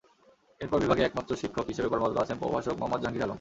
এরপর বিভাগে একমাত্র শিক্ষক হিসেবে কর্মরত আছেন প্রভাষক মোহাম্মদ জাহাঙ্গীর আলম।